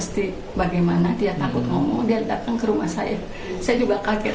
saya pada akhirnya saya siapkan rumah saya di sini